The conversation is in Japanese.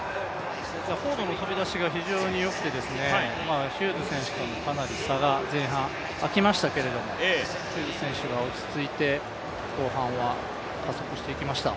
フォード選手の飛び出しが非常によくてヒューズ選手とのかなり差が前半あきましたけどヒューズ選手が落ち着いて、後半は加速していきました。